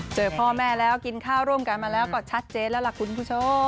เจอพ่อแม่แล้วกินข้าวร่วมกันมาแล้วก็ชัดเจนแล้วล่ะคุณผู้ชม